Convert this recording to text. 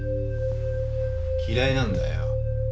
嫌いなんだよ。